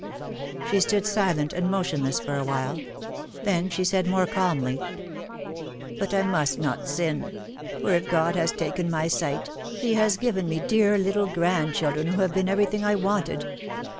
She stood silent and motionless for a while. Then she said more calmly, "But I must not sin. For if God has taken my sight, He has given me dear little grandchildren who have been everything I wanted.